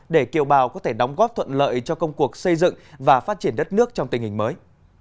để kiều bào có thể đóng góp thuận lợi cho công cuộc xây dựng và phát triển đất nước trong tình hình mới